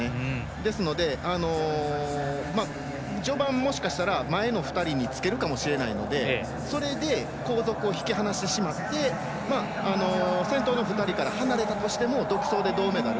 ですので、序盤もしかしたら前の２人につけるかもしれないのでそれで後続を引き離してしまって先頭の２人から離れたとしても独走で銅メダル。